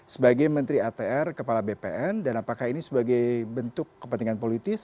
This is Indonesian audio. sebagai menteri atr kepala bpn dan apakah ini sebagai bentuk kepentingan politis